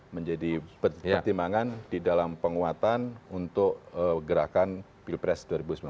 menjadi pertimbangan di dalam penguatan untuk gerakan pilpres dua ribu sembilan belas